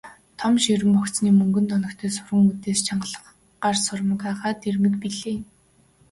Том ширэн богцны мөнгөн тоногтой суран үдээс чангалах гар сурмаг агаад эрмэг билээ.